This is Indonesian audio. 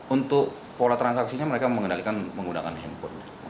untuk pola transaksinya mereka mengendalikan menggunakan handphone